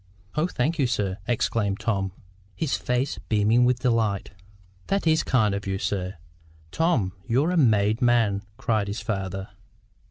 "Oh, thank you, sir!" exclaimed Tom, his face beaming with delight. "That IS kind of you, sir! Tom, you're a made man!" cried the father.